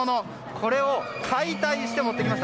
これを解体して持ってきました。